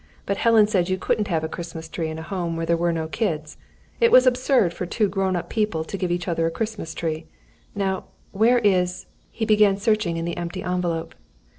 But Helen said you couldn't have a Christmas tree in a home where there were no kids; it was absurd for two grownup people to give each other a Christmas tree. Now, where is " He began searching in the empty envelope.